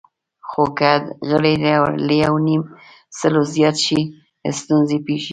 خو که غړي له یونیمسلو زیات شي، ستونزې پېښېږي.